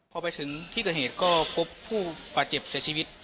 พอไปถึงที่ก่อนเหตุก็พบผู้ปาเจ็บใส่ชีวิต